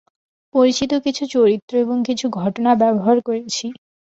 পরিচিত কিছু চরিত্র এবং কিছু ঘটনা ব্যবহার করেছি।